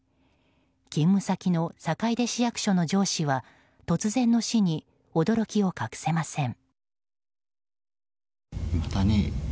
勤務先の坂出市役所の上司は突然の死に驚きを隠せません。